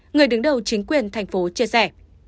người đứng đầu chính quyền thành phố chia sẻ